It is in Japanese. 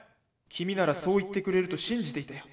「君ならそう言ってくれると信じていたよ。